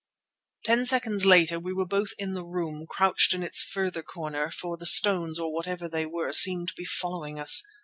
Ten seconds later we were both in the room, crouched in its farther corner, for the stones or whatever they were seemed to be following us.